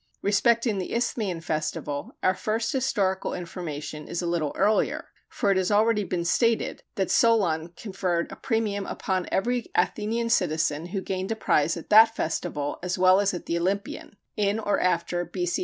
Respecting the Isthmian festival, our first historical information is a little earlier, for it has already been stated that Solon conferred a premium upon every Athenian citizen who gained a prize at that festival as well as at the Olympian in or after B.C.